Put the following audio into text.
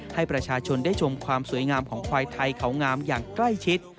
ให้ประชาชนได้ชมความสวยงามของควายไทยเขางามอย่างใกล้ชิด